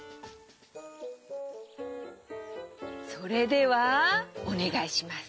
それではおねがいします。